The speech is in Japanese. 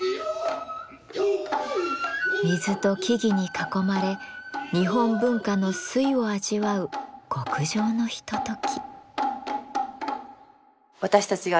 水と木々に囲まれ日本文化の粋を味わう極上のひととき。